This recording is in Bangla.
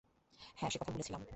হাঁ, সে কথা ভুলেছিলেম।